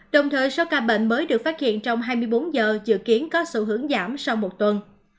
đồng thời số ca bệnh mới được phát hiện trong hai mươi bốn giờ dự kiến có xu hướng giảm sau một tuần